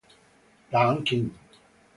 Dan King